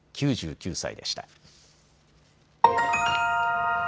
９９歳でした。